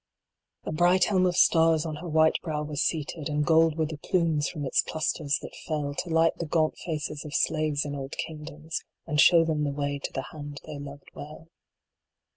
A bright helm of stars on her white brow was seated. And gold were the plumes from its clusters that fell To light the gaunt faces of slaves in old kingdoms, And show them the way to the hand they loved well.